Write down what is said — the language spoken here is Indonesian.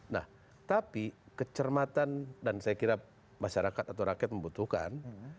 nah tapi kecermatan dan saya kira masyarakat atau rakyat membutuhkan